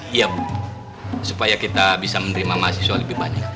iya supaya kita bisa menerima mahasiswa lebih banyak